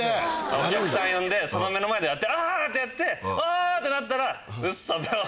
お客さん呼んでその目の前で割って「あぁ！」ってやって「あぁ！」ってなったら。